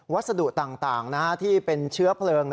วัสดุต่างที่เป็นเชื้อเพลิง